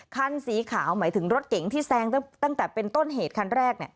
คันสีขาวหมายถึงรถเก๋งที่แซงตั้งแต่เป็นต้นเหตุคันแรก